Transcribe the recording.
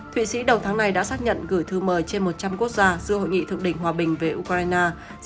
thụy sĩ đầu tháng này đã xác nhận gửi thư mời trên một trăm linh quốc gia giữa hội nghị thượng đỉnh hòa bình về ukraine